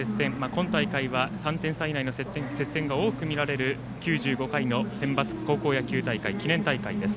今大会は３点差以内の接戦が多く見られる９５回のセンバツ高校野球大会記念大会です。